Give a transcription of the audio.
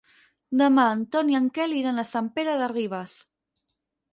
Demà en Ton i en Quel iran a Sant Pere de Ribes.